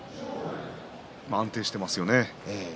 安定していますよね。